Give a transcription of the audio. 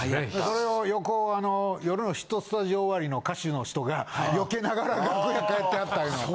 それを横『夜のヒットスタジオ』終わりの歌手の人がよけながら楽屋帰ってはったいうの。